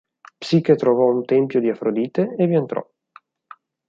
Psiche trovò un tempio di Afrodite e vi entrò.